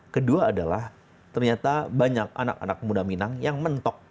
kedua adalah ternyata banyak anak anak muda minang yang mentok